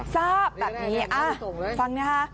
ทราบแบบนี้ฟังนะคะ